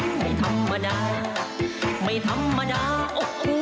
ไม่ธรรมดาไม่ธรรมดาโอ้โห